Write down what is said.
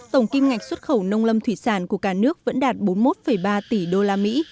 tổng kim ngạch xuất khẩu nông lâm thủy sản của cả nước vẫn đạt bốn mươi một ba tỷ usd